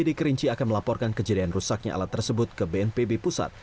di kerinci akan melaporkan kejadian rusaknya alat tersebut ke bnpb pusat